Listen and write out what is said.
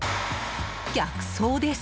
逆走です！